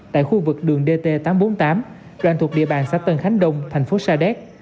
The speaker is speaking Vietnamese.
tại khu vực đường dt tám trăm bốn mươi tám đoàn thuộc địa bàn xã tân khánh đông thành phố sa đéc